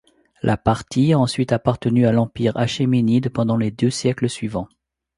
La Parthie a ensuite appartenu à l'Empire achéménide pendant les deux siècles suivants.